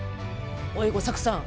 おい吾作さん。